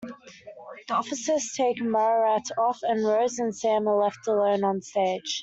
The officers take Maurrant off, and Rose and Sam are left alone onstage.